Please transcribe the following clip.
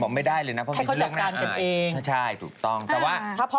แม่เป็นภรรยาคนสุดท้ายของพ่อ